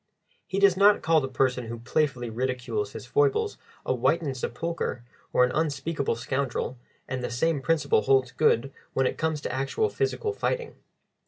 He does not call the person who playfully ridicules his foibles a whitened sepulchre or an unspeakable scoundrel, and the same principle holds good when it comes to actual physical fighting.